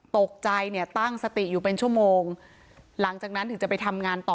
ตกใจเนี่ยตั้งสติอยู่เป็นชั่วโมงหลังจากนั้นถึงจะไปทำงานต่อ